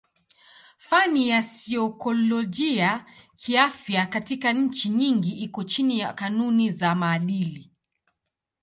Fani ya saikolojia kiafya katika nchi nyingi iko chini ya kanuni za maadili.